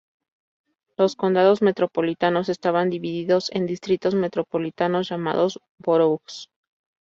Los condados metropolitanos estaban divididos en distritos metropolitanos llamados "boroughs".